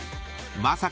まさか！